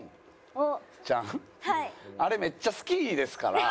あれめっちゃ好きですから。